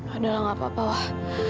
udah lah gak apa apa wah